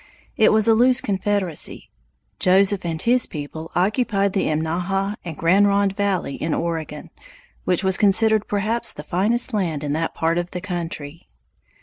It was a loose confederacy. Joseph and his people occupied the Imnaha or Grande Ronde valley in Oregon, which was considered perhaps the finest land in that part of the country.